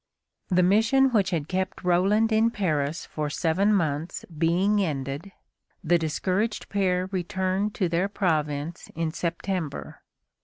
The mission which had kept Roland in Paris for seven months being ended, the discouraged pair returned to their province in September.